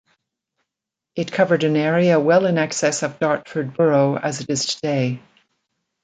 It covered an area well in excess of Dartford Borough as it is today.